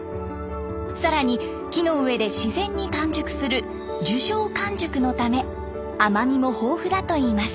更に木の上で自然に完熟する樹上完熟のため甘みも豊富だといいます。